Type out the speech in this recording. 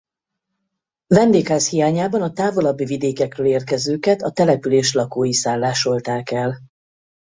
Vendégház hiányában a távolabbi vidékekről érkezőket a település lakói szállásolták el.